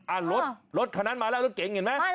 อ่ะรถรถคันนั้นมาแล้วรถเก๋งเห็นไหม